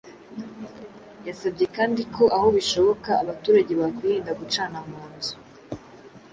Yasabye kandi ko aho bishoboka abaturage bakwirinda gucana mu nzu